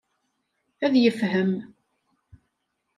Ad yefhem.